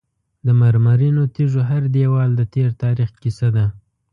د مرمرینو تیږو هر دیوال د تیر تاریخ کیسه ده.